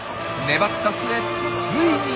粘った末ついに。